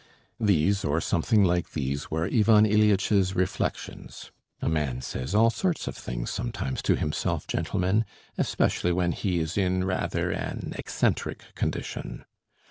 These, or something like these, were Ivan Ilyitch's reflections, (a man says all sorts of things sometimes to himself, gentlemen, especially when he is in rather an eccentric condition).